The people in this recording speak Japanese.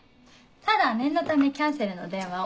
ただ念のためキャンセルの電話を。